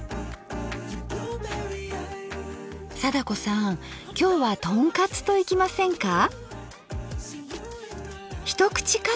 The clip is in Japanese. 貞子さん今日はとんかつといきませんか？